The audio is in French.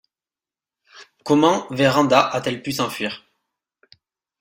Comment Vérand'a atelle pu s'enfuir.